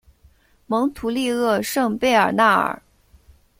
蒙图利厄圣贝尔纳尔。